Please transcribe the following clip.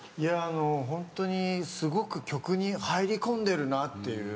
ホントにすごく曲に入り込んでるなっていう。